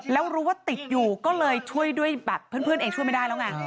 แล้วรู้ว่าติดอยู่ก็เลยช่วยด้วยแบบเพื่อนเองช่วยไม่ได้แล้วไง